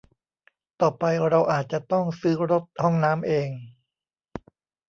ต่อไปเราอาจจะต้องซื้อรถห้องน้ำเอง